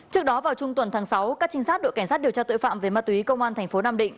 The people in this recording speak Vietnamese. trước đó vào trung tuần tháng sáu các trinh sát đội cảnh sát điều tra tội phạm về ma túy công an thành phố nam định